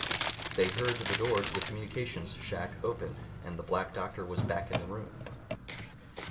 They heard the door to the communications shack open, and the Black Doctor was back in the room.